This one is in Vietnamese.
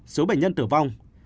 ba số bệnh nhân tử vong